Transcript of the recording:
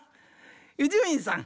伊集院さん